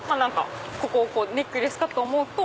ここをネックレスかと思うと。